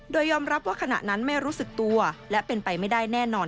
โดยยอมรับว่าขณะนั้นไม่รู้สึกตัวและเป็นไปไม่ได้แน่นอน